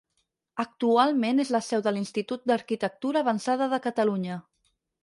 Actualment és la seu de l'Institut d'arquitectura avançada de Catalunya.